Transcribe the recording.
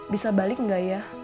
bisa balik gak ya